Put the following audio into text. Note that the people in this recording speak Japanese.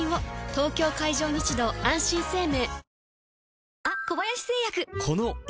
東京海上日動あんしん生命